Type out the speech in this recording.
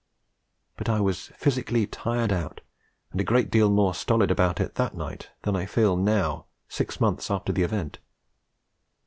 But I was physically tired out, and a great deal more stolid about it all that night than I feel now, six months after the event.